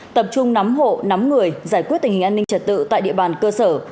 tập trung nắm hộ nắm người giải quyết tình hình an ninh trật tự tại địa bàn cơ sở